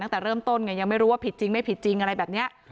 ตั้งแต่เริ่มต้นไงยังไม่รู้ว่าผิดจริงไม่ผิดจริงอะไรแบบนี้